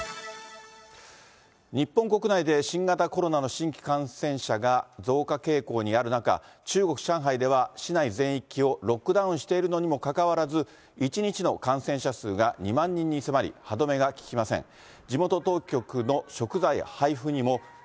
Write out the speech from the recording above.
日本国内で新型コロナの新規感染者が増加傾向にある中、中国・上海では、市内全域をロックダウンしているのにもかかわらず、１日の感染者数が２万人に迫り、歯止めが利きません。